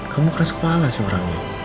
kamu keras kepala sih orangnya